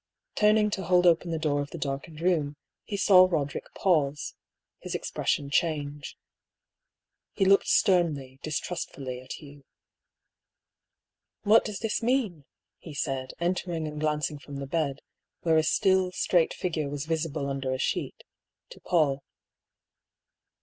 Turning to hold open the door of the darkened room, he saw Roderick pause — ^his expression change. He looked sternly, distrustfully, at Hugh. "What does this mean?" he said, entering and glancing from the bed, where a still, straight figure was visible under a sheet, to Paull.